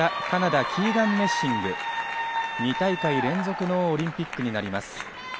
カナダ、キーガン・メッシング、２大会連続のオリンピックになります。